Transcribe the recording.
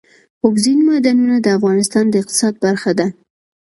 اوبزین معدنونه د افغانستان د اقتصاد برخه ده.